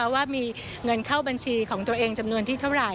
ว่ามีเงินเข้าบัญชีของตัวเองจำนวนที่เท่าไหร